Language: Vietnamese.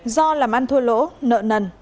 do làm ăn thua lỗ nợ nần